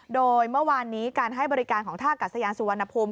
โดยเมื่อวานนี้การให้บริการของท่ากัดสยานสุวรรณภูมิ